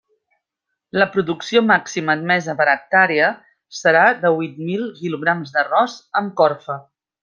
La producció màxima admesa per hectàrea serà de huit mil quilograms d'arròs amb corfa.